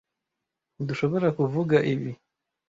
Ntdushoborakuvuga ibi.